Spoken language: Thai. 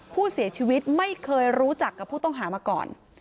ผู้เสียชีวิตไม่เคยรู้จักกับผู้ต้องหามาก่อน